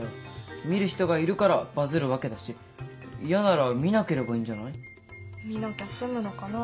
見る人がいるからバズるわけだし嫌なら見なければいいんじゃない？見なきゃ済むのかな？